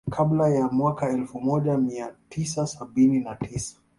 Kabla ya mwaka elfu moja mia tisa sabini na tisa